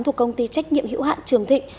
thuộc công ty trách nhiệm hữu hạn trường thị